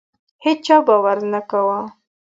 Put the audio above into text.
هیچا باور نه کاوه.